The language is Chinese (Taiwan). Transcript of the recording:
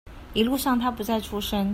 一路上他不再出聲